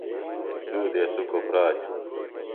دُوۡ دیسُکوۡ پراچوۡ۔